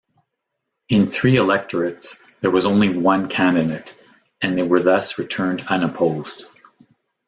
In three electorates there was only one candidate, and they were thus returned unopposed.